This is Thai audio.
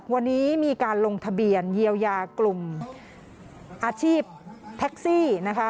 วันนี้มีการลงทะเบียนเยียวยากลุ่มอาชีพแท็กซี่นะคะ